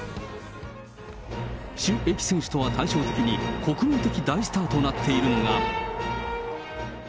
朱易選手とは対照的に国民的大スターとなっているのが。